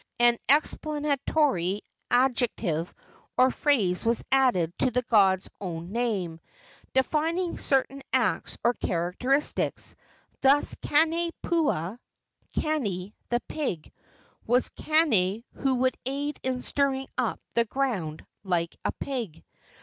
An explanatory adjective or phrase was added to the god's own name, defining certain acts or characteristics, thus: Kane puaa (Kane, the pig) was Kane who would aid in stirring up the ground like a pig.